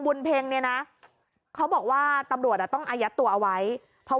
เพ็งเนี่ยนะเขาบอกว่าตำรวจอ่ะต้องอายัดตัวเอาไว้เพราะ